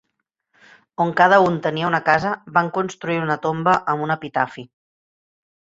On cada un tenia una casa, van construir una tomba amb un epitafi.